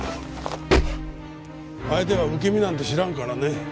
相手は受け身なんて知らんからね。